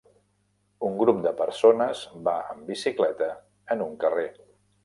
Un grup de persones va en bicicleta en un carrer